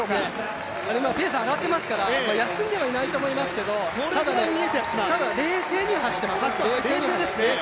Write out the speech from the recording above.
ペース上がっていますから、休んではいないと思いますけどただ、冷静には走っています。